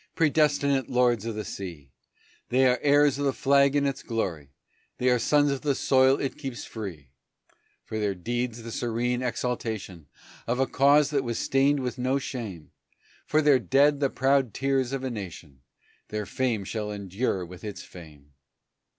Predestinate lords of the sea! They are heirs of the flag and its glory, They are sons of the soil it keeps free; For their deeds the serene exaltation Of a cause that was stained with no shame, For their dead the proud tears of a nation, Their fame shall endure with its fame.